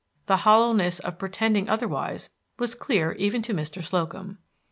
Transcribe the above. The hollowness of pretending otherwise was clear even to Mr. Slocum.